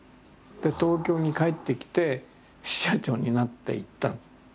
で東京に帰ってきて支社長になっていったんです。